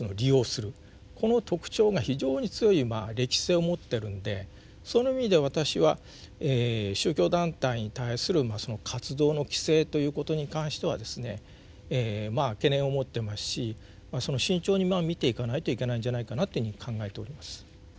この特徴が非常に強い歴史性を持ってるんでその意味で私は宗教団体に対する活動の規制ということに関してはですね懸念を持ってますし慎重に見ていかないといけないんじゃないかなというふうに考えております。